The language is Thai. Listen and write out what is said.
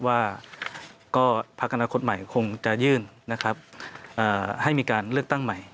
ว่าพักรณคตใหม่คงจะยื่นให้มีการเลือกตั้งใหม่